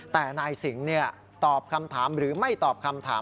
แต่นายสิงห์ตอบคำถามหรือไม่ตอบคำถาม